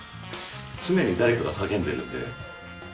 常に誰かが叫んでるんで。